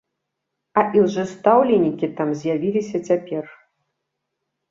А ілжэстаўленікі там з'явіліся цяпер.